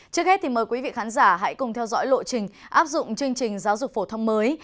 trước hết thì mời quý vị khán giả hãy cùng theo dõi lộ trình áp dụng chương trình giáo dục phổ thông mới